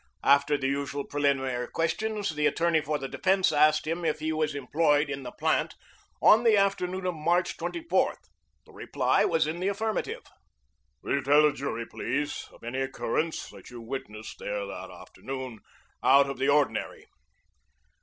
After the usual preliminary questions the attorney for the defense asked him if he was employed in the plant on the afternoon of March 24. The reply was in the affirmative. "Will you tell the jury, please, of any occurrence that you witnessed there that afternoon out of the ordinary?"